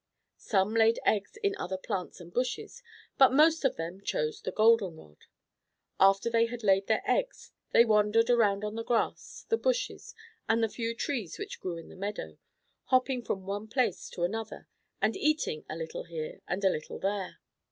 Some laid eggs in other plants and bushes, but most of them chose the golden rod. After they had laid their eggs they wandered around on the grass, the bushes, and the few trees which grew in the meadow, hopping from one place to another and eating a little here and a little there.